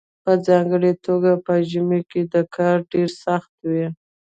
په ځانګړې توګه په ژمي کې دا کار ډیر سخت وي